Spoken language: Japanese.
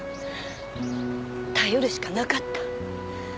頼るしかなかった。